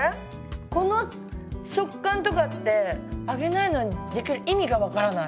この食感とかって揚げないのに出来る意味が分からない。